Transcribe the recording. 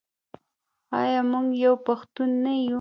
آیا موږ یو پښتون نه یو؟